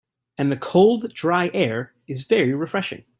And the cold, dry air is very refreshing.